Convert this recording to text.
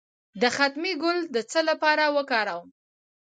د ختمي ګل د څه لپاره وکاروم؟